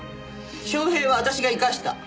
昌平は私が生かした。